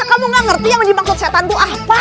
masa kamu nggak ngerti yang dimaksud setan itu apa